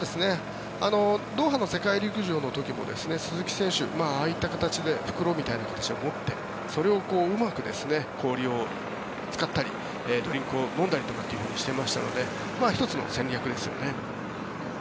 ドーハの世界陸上の時も鈴木選手、ああいった形で袋みたいな形で持ってそれをうまく氷を使ったりドリンクを飲んだりとかしていましたので１つの戦略ですよね。